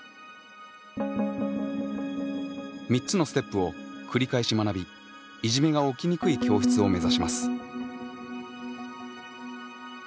３つのステップを繰り返し学びいじめが起きにくい教室を目指します。